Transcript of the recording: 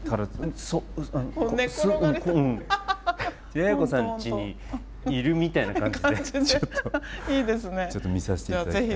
也哉子さんちにいるみたいな感じでちょっとちょっと見させて頂きたいなと。